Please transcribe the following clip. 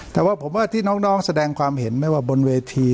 แต่ว่าผมว่าที่น้องแสดงความเห็นไม่ว่าบนเวที